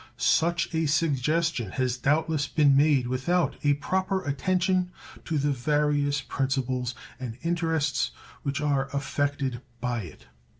Such a suggestion has doubtless been made without a proper attention to the various principles and interests which are affected by it.